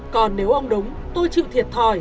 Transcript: còn nếu ông đúng tôi chịu thiệt thòi